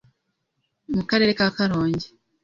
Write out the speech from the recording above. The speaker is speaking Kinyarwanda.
mu karere ka Karongi